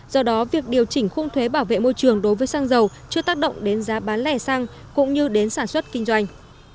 do đó việc điều chỉnh khung thuế bảo vệ môi trường đối với xăng dầu chưa tác động đến giá bán lẻ xăng cũng như đến sản xuất kinh doanh